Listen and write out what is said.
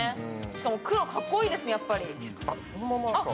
しかも黒、かっこいいですね、やっぱり。